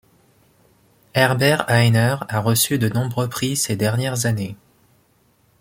Herbert Hainer a reçu de nombreux prix ces dernières années.